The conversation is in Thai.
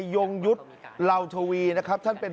ต้องเสียตรงนี้ก่อนเขาบอกแบบนี้ค่ะ